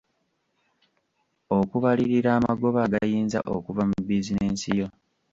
Okubalirira amagoba agayinza okuva mu bizinensi yo.